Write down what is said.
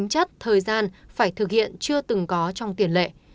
tính chất thời gian phải thực hiện chưa từng có trong tiền lệ